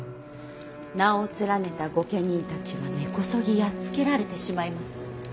名を連ねた御家人たちは根こそぎやっつけられてしまいます。